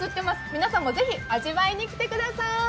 皆さんもぜひ、味わいに来てください。